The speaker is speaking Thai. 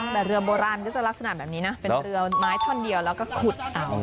แต่เรือโบราณก็จะลักษณะแบบนี้นะเป็นเรือไม้ท่อนเดียวแล้วก็ขุดเอา